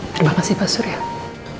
terima kasih pa suriel